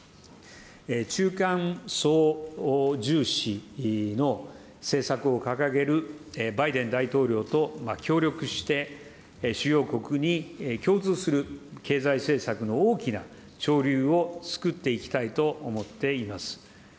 中間層重視の政策を掲げるバイデン大統領と協力して、主要国に共通する経済政策の大きな潮流を作っていきたいと思っています。